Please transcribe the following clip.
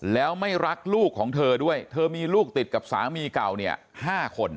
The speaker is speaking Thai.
แล้วไม่รักลูกของเธอด้วยเธอมีลูกติดกับสามีเก่าเนี่ย๕คน